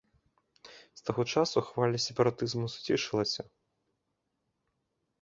З таго часу хваля сепаратызму суцішылася.